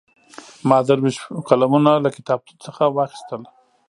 ما درې ویشت قلمونه له کتابتون څخه واخیستل.